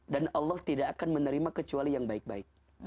dan allah tidak akan menerima kecuali yang baik baik